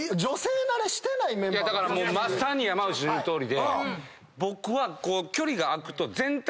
まさに山内の言うとおりで僕は。